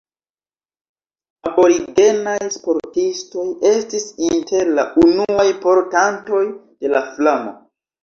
Aborigenaj sportistoj estis inter la unuaj portantoj de la flamo.